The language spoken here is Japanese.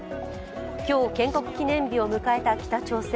今日、建国記念日を迎えた北朝鮮。